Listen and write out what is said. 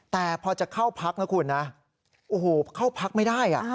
แต่พอจะเข้าพักนะคุณนะโอ้โหเข้าพักไม่ได้